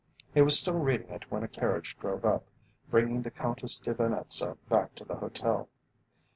He was still reading it when a carriage drove up, bringing the Countess de Venetza back to the hotel.